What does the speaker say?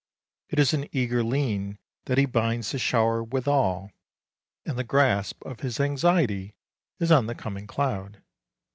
It is an eager lien that he binds the shower withal, and the grasp of his anxiety is on the coming cloud.